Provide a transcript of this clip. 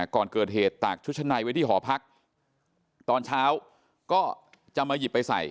ก่อนเกิดเหตุตากชุดชั้นในไว้ที่หอพักตอนเช้าก็จะมาหยิบไปใส่